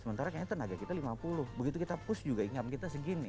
sementara kayaknya tenaga kita lima puluh begitu kita push juga income kita segini